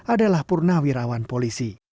adalah purnawirawan polisi